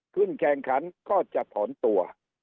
แข่งขันก็จะถอนตัว